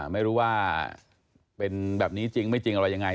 ไม่รู้ว่าเป็นแบบนี้จริงไม่จริงอะไรยังไง